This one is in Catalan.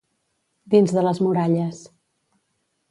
Dins de les muralles.